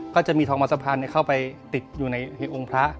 ก็จะมีทองมัดสะพานเข้าไปติดอยู่ในเหตุองค์พระ